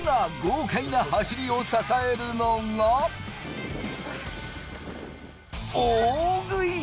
そんな豪快な走りを支えるのが、大食い！